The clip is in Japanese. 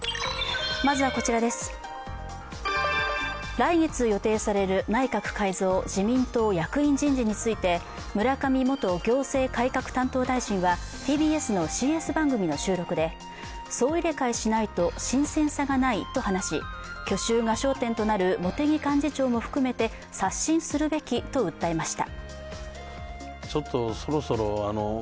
来月予定される内閣改造・自民党役員人事について、村上元行政改革担当大臣はＴＢＳのＣＳ番組の収録で総入れ替えしないと新鮮さがないと話し去就が焦点となる茂木幹事長も含めて刷新すべきと訴えました。